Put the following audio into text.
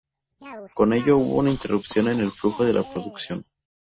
Con ello hubo una interrupción en el flujo de la producción.